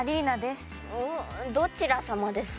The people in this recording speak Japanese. どちらさまですか？